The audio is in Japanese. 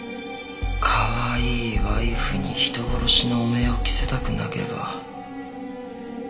かわいいワイフに人殺しの汚名を着せたくなければ。